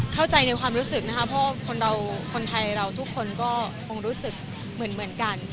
เข้าใจในความรู้สึกนะคะเพราะว่าคนเราคนไทยเราทุกคนก็คงรู้สึกเหมือนกัน